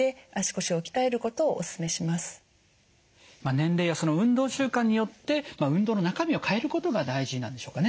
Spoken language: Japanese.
年齢や運動習慣によって運動の中身を変えることが大事なんでしょうかね？